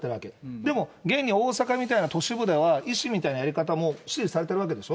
でも、現に大阪みたいな都市部で配信みたいなやり方も支持されてるわけでしょ。